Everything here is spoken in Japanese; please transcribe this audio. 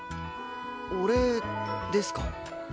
お礼ですか？